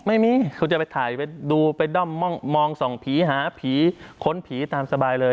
ไม่มีคุณจะไปถ่ายไปดูไปด้อมมองส่องผีหาผีค้นผีตามสบายเลย